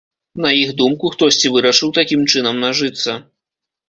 На іх думку, хтосьці вырашыў такім чынам нажыцца.